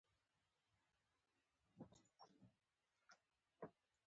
د مقاومت لپاره یې ځانونه د آسونو په څیر نالول.